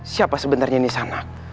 siapa sebenarnya nisanak